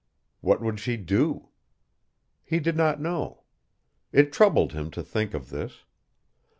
What would she do? He did not know. It troubled him to think of this.